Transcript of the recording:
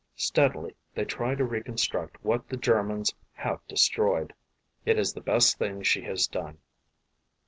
Steadily they try to reconstruct what the Germans have de stroyed. ... It is the best thing she has done."